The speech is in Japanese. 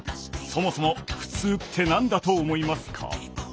そもそも「ふつう」って何だと思いますか？